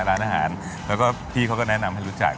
ร้านอาหารแล้วก็พี่เขาก็แนะนำให้รู้จัก